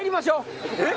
えっ！？